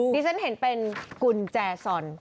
ดิฉันเห็นเป็นกุญแจซอน